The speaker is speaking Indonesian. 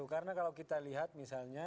karena kalau kita lihat misalnya